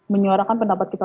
menyuarakan pendapat kita